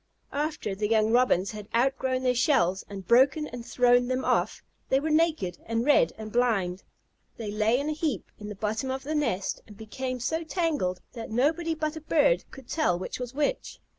After the young Robins had outgrown their shells and broken and thrown them off, they were naked and red and blind. They lay in a heap in the bottom of the nest, and became so tangled that nobody but a bird could tell which was which.